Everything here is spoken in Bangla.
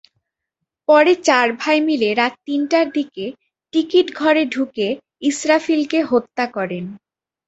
পরে চার ভাই মিলে রাত তিনটার দিকে টিকিটঘরে ঢুকে ইসরাফিলকে হত্যা করেন।